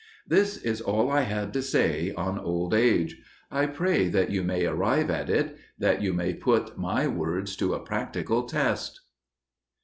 This is all I had to say on old age. I pray that you may arrive at it, that you may put my words to a practical test.